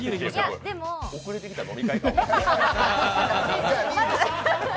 遅れて来た飲み会か？